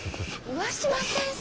上嶋先生！